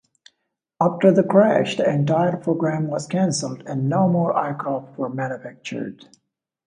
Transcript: After the crash the entire program was cancelled and no more aircraft were manufactured.